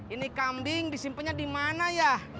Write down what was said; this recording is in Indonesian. ini kambing disimpannya di mana ya